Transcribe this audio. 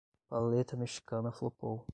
Paleta mexicana flopou